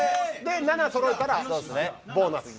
「７そろえたらボーナスに」